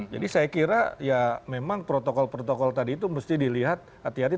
jadi saya kira ya memang protokol protokol tadi itu mesti dilihat hati hati